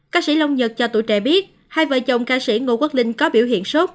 ca sĩ lông nhật cho tuổi trẻ biết hai vợ chồng ca sĩ ngô quốc linh có biểu hiện sốt